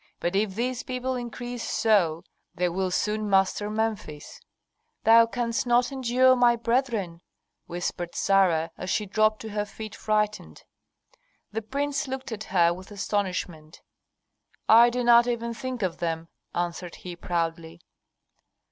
But if these people increase so, they will soon master Memphis." "Thou canst not endure my brethren," whispered Sarah, as she dropped to his feet frightened. The prince looked at her with astonishment. "I do not even think of them," answered he, proudly.